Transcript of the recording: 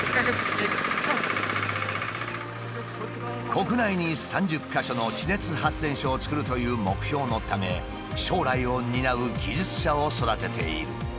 国内に３０か所の地熱発電所をつくるという目標のため将来を担う技術者を育てている。